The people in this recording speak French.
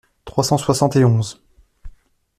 trois cent soixante et onze).